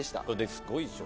すごいでしょ？